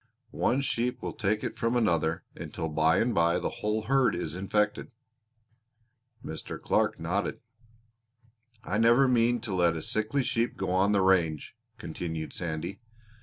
One sheep will take it from another, until by and by the whole herd is infected." Mr. Clark nodded. "I never mean to let a sickly sheep go on the range," continued Sandy.